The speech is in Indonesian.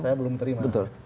saya belum terima